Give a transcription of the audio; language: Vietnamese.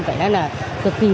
vậy đó là cực kỳ phấn khỏi